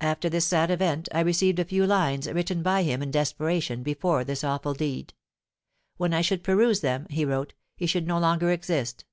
After this sad event, I received a few lines, written by him in desperation before this awful deed. 'When I should peruse them,' he wrote, 'he should no longer exist.'